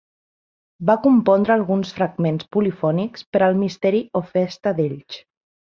Va compondre alguns fragments polifònics per al misteri o festa d'Elx.